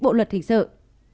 theo quy định tại mục a khoảng hai